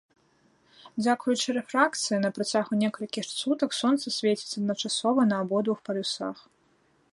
Дзякуючы рэфракцыі, на працягу некалькіх сутак сонца свеціць адначасова на абодвух полюсах.